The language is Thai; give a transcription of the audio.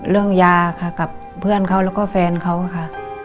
ยาค่ะกับเพื่อนเขาแล้วก็แฟนเขาค่ะ